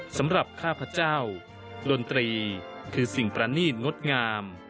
ข้าพเจ้าดนตรีคือสิ่งประนีตงดงาม